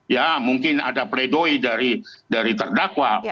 ya mungkin ada pledoi dari terdakwa